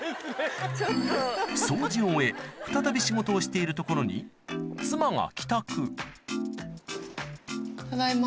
掃除を終え再び仕事をしているところに妻が帰宅ただいま。